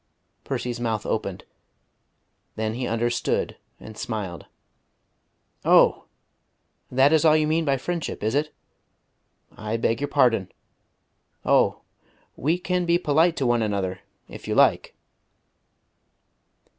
Percy's mouth opened. Then he understood, and smiled. "Oh! that is all you mean by friendship, is it? I beg your pardon. Oh! we can be polite to one another, if you like."